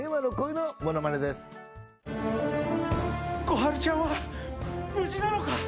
心春ちゃんは無事なのか？